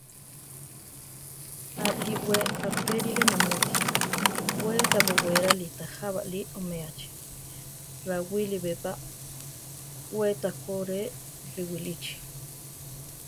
Aʼlí we apélire namúti; we ta bowérali ta jábali oméachi; rawilí be pa, we ta koʼree Riwilíchi.